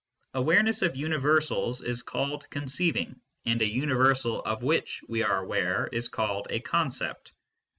Awareness jofjuniversals is called conceiving,^ and a universal of which we are aware is called a concept.